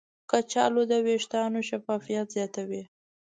کچالو د ویښتانو شفافیت زیاتوي.